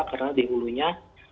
karena di ulunya